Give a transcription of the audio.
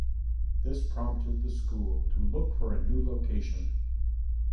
This prompted the school to look for a new location.